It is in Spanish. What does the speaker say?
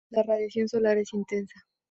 La radiación solar es intensa.